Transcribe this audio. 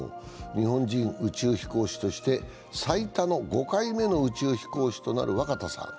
日本人宇宙飛行士として最多の５回目の宇宙飛行士となる若田さん